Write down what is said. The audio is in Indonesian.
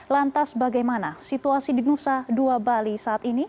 lantas bagaimana situasi di nusa dua bali saat ini